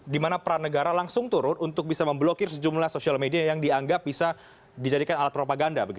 di mana peran negara langsung turun untuk bisa memblokir sejumlah sosial media yang dianggap bisa dijadikan alat propaganda